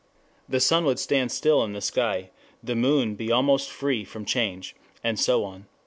The sun would stand still in the sky, the moon be almost free from change, and so on.